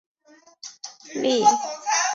栗齿鼩鼱为鼩鼱科鼩鼱属的动物。